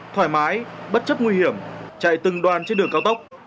thoải mái bất chấp nguy hiểm chạy từng đoàn trên đường cao tốc